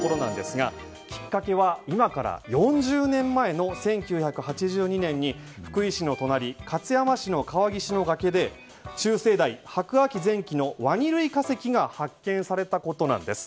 きっかけは今から４０年前の１９８２年に福井市の隣勝山市の川岸の崖で中生代白亜紀前期のワニ類化石が発見されたことなんです。